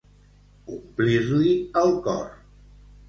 Omplir-li el cor.